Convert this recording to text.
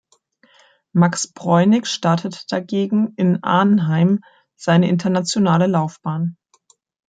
Max Breunig startete dagegen in Arnheim seine internationale Laufbahn.